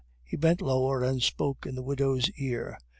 He bent lower and spoke in the widow's ear.